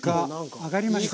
揚がりましたか？